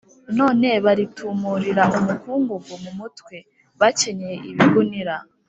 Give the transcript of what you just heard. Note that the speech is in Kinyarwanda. none baritumurira umukungugu mu mutwe, bakenyeye ibigunira.